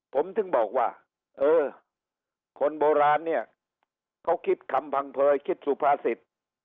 ผมถึงบอกว่าเออคนโบราณเนี่ยเขาคิดคำพังเผยคิดสุภาษิต